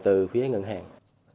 từ phía ngân hàng